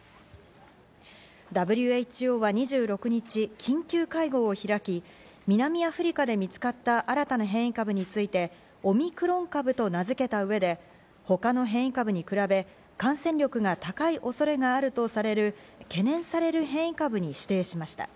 ＷＨＯは２６日、緊急会合を開き、南アフリカで見つかった新たな変異株について、オミクロン株と名付けた上で、他の変異株に比べて感染力が高い恐れがあるとされる懸念される変異株に指定しました。